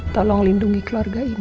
tolong lindungi keluarga ini